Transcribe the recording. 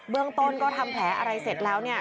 เรื่องต้นก็ทำแผลอะไรเสร็จแล้วเนี่ย